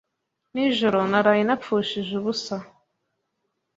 Nijoro naraye napfushije ubusa.